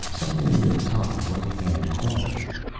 Something in the top right hand corner.